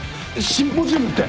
シンポジウムって？